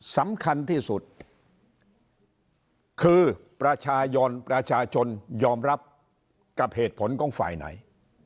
สำคัญที่สุดคือประชาชนประชาชนยอมรับกับเหตุผลของฝ่ายไหน